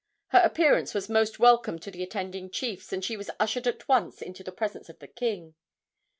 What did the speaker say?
Her appearance was most welcome to the attending chiefs, and she was ushered at once into the presence of the king.